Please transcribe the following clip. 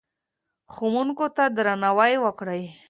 ښوونکو ته درناوی وکړئ.